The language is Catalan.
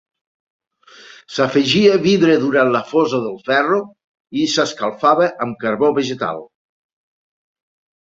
S'afegia vidre durant la fosa del ferro i s'escalfava amb carbó vegetal.